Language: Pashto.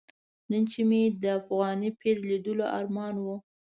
نن چې مې د افغاني پیر لیدلو ارمان و.